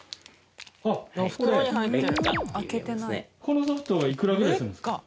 このソフトはいくらぐらいするんですか？